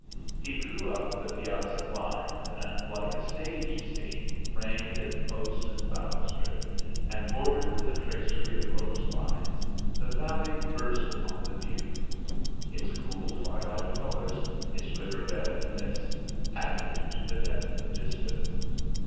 He drew up the piazza blinds, and like a stage scene, framed in post and balustrade, and bordered with a tracery of rose vines, the valley burst upon the view. Its cool twilight colors, its river bed of mist, added to the depth of distance.